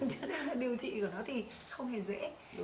cho nên là điều trị của nó thì không hề dễ